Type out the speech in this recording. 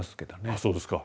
あそうですか。